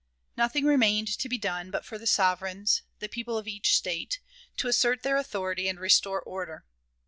Nothing remained to be done but for the sovereigns, the people of each State, to assert their authority and restore order.